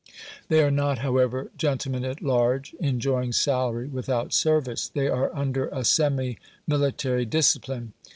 They are not, however, gentlemen at large, enjoying salary without service. They are under a semi military discipline.